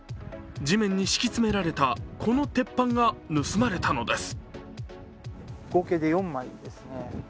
地面に敷き詰められた、この鉄板が盗まれたのです。